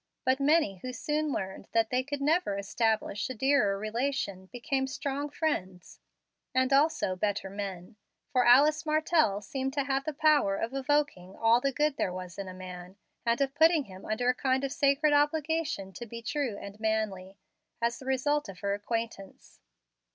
But many who soon learned that they could never establish a dearer relation became strong friends, and also better men; for Alice Martell seemed to have the power of evoking all the good there was in a man, and of putting him under a kind of sacred obligation to be true and manly, as the result of her acquaintance.